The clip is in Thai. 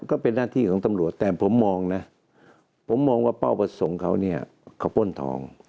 ก็เป็นหน้าที่ของตำรวจแต่ผมมองนะผมมองว่าเป้าประสงค์เขาเนี่ยเขาป้นทอง